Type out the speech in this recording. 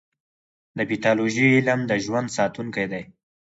د پیتالوژي علم د ژوند ساتونکی دی.